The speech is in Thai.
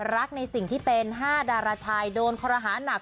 รักในสิ่งที่เป็น๕ดาราชายโดนคอรหานัก